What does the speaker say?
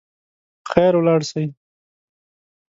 په خیر ولاړ سئ.